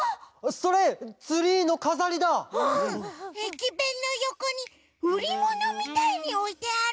きべんのよこにうりものみたいにおいてある。